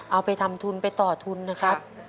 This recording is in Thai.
เอาไปทำทุนไปต่อทุนนะครับ